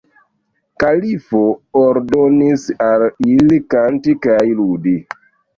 Kalifo ordonis al ili kanti kaj ludi.